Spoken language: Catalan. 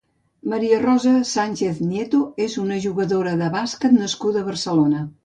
Maria Rosa Sánchez Nieto és una jugadora de bàsquet nascuda a Barcelona.